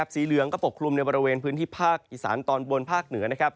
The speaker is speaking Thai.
สีเหลืองก็ปกคลุมในบริเวณพื้นที่ภาคอีสานตอนบนภาคเหนือ